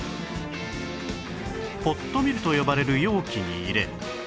ポットミルと呼ばれる容器に入れ